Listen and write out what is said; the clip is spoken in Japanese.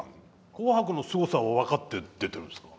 「紅白」のすごさは分かって出てるんですか？